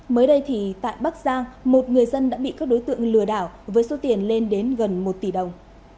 mới đây thì tại bắc giang một người dân đã bị các đối tượng lừa đảo với số tiền lên đến gần một tỷ đồng